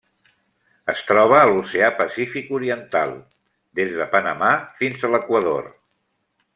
Es troba a l'Oceà Pacífic oriental: des de Panamà fins a l'Equador.